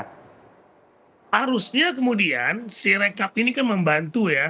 harusnya kemudian sirekap ini kan membantu ya